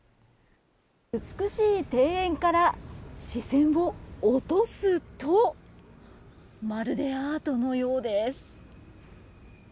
美しい庭園から視線を落とすとまるでアートのようです。